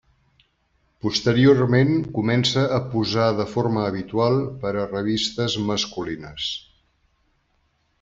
Posteriorment comença a posar de forma habitual per a revistes masculines.